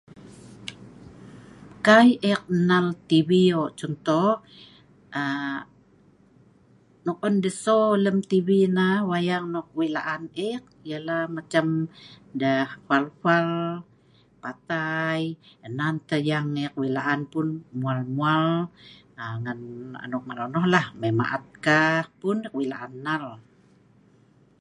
Kai ek nnal TV hok contoh ,nok an deh show lem TV nah wayang nok wei laan ek, yanah macam deh fwal-fwal, patai, nan tah nok ek wei laan pun mwal-mwal ngan anok mak nonoh lah, mai ma'at kah pun ek wei laan nnal.